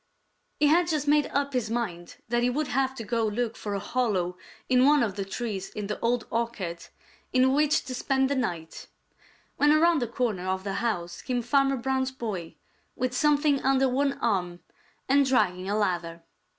He had just made up his mind that he would have to go look for a hollow in one of the trees in the Old Orchard in which to spend the night, when around the corner of the house came Farmer Brown's boy with something under one arm and dragging a ladder.